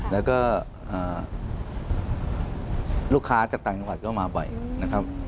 แล้วก็ลูกค้าจากต่างจังหวัดก็มาบ่อยนะครับ